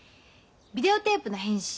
ビデオテープの編集